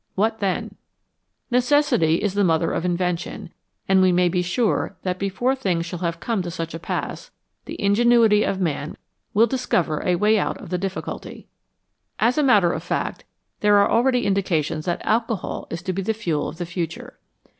What then ? Necessity is the mother of invention, and we may be sure that before things shall have come to such a pass, the ingenuity of man will discover a way out of the difficulty. As a matter of fact, there are already indica tions that alcohol is to be the fuel of the future.